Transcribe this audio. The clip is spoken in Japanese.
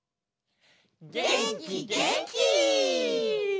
げんきげんき！